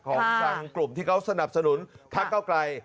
ของทางกลุ่มที่เขาสนับสนุนพักเก้าไกล